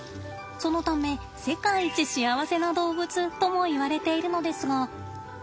そのため「世界一幸せな動物」ともいわれているのですが。